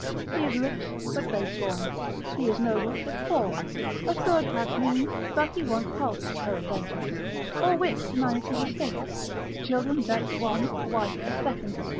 He is rich, but base born; he is noble, but poor; a third hath means, but he wants health peradventure, or wit to manage his estate; children vex one, wife a second, &c.